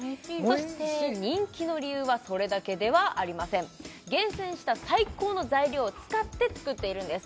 そして人気の理由はそれだけではありません厳選した最高の材料を使って作っているんです